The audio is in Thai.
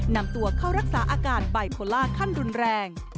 นำตัวเข้ารักษาอาการบายโพล่าขั้นรุนแรง